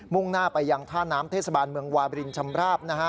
่งหน้าไปยังท่าน้ำเทศบาลเมืองวาบรินชำราบนะฮะ